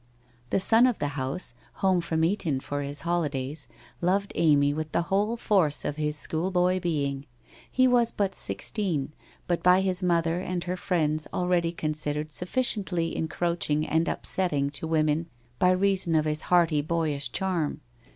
The son of the house, home from Eton for his holidays, loved Amy with the whole force of his school boy being. He was but sixteen, but by his mother and her friends already considered sufficiently encroaching and upsetting to women by reason of his hearty, boyish charm.